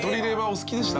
お好きでした？